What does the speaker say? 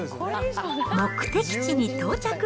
目的地に到着。